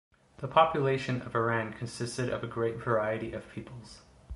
The population of Arran consisted of a great variety of peoples.